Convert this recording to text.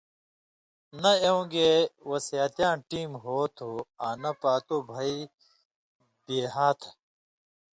نہ اېوں گے وصیتیاں ٹېم ہو تُھو آں نہ پاتُو بھئ بېہاں تھہ